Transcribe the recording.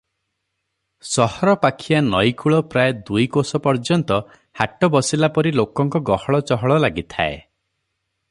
ସହରପାଖିଆ ନଦୀକୂଳ ପ୍ରାୟ ଦୁଇ କୋଶ ପର୍ଯ୍ୟନ୍ତ ହାଟ ବସିଲା ପରି ଲୋକଙ୍କ ଗହଳ ଚହଳ ଲାଗିଥାଏ ।